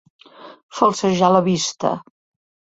Falsejar la vista.